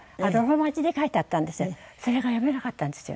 それが読めなかったんですよ